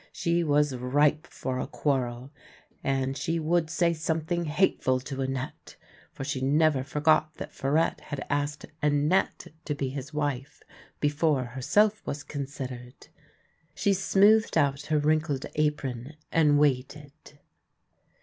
She was ripe for a quarrel, and she would say something hateful to Annette; for she never forgot that Farette had asked Annette to be his wife before herself was considered. She smoothed out her wrinkled apron, and waited.